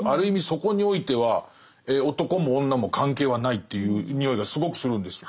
そこにおいては男も女も関係はないっていうにおいがすごくするんです。